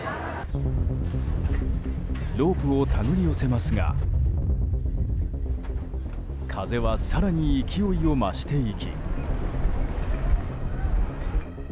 ロープを手繰り寄せますが風は更に勢いを増していき。